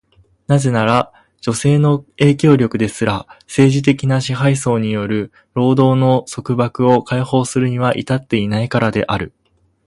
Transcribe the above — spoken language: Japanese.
なぜなら、女性の影響力ですら、政治的な支配層による労働の束縛を解放するには至っていないからである。